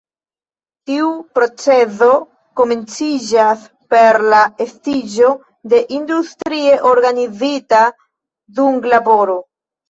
Tiu procezo komenciĝas per la estiĝo de industrie organizita dunglaboro.